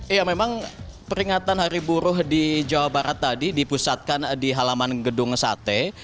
iya memang peringatan hari buruh di jawa barat tadi dipusatkan di halaman gedung sate